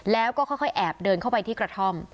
แล้วก็ค่อยแอบเดินเข้าไปที่กระท่อม